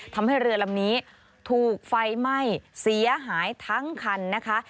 ทำให้เรือลำนี้ถูกไฟไหม้เสียหายทั้งคันนะคะ